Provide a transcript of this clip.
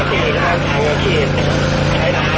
กินกว่าอีกแล้วนะครับ